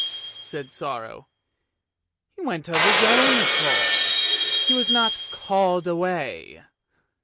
said Sorrow; " he went of his own accord; he was not called away!